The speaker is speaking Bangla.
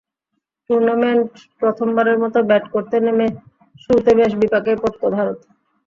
টুর্নামেন্টে প্রথমবারের মতো ব্যাট করতে নেমে শুরুতে বেশ বিপাকেই পড়ে ভারত।